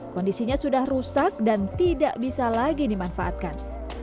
kondisinya sudah rusak dan tidak bisa lagi dimanfaatkan